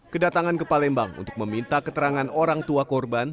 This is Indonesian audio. kedatangan ke palembang untuk meminta keterangan orang tua korban